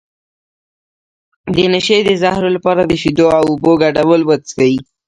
د نشې د زهرو لپاره د شیدو او اوبو ګډول وڅښئ